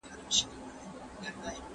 ¬ اوبه د سر د خوا خړېږي.